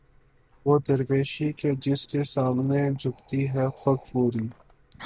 وہ درویشی کہ جس کے سامنے جھکتی ہے فغفوری